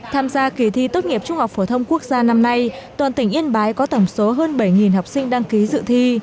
tham gia kỳ thi tốt nghiệp trung học phổ thông quốc gia năm nay toàn tỉnh yên bái có tổng số hơn bảy học sinh đăng ký dự thi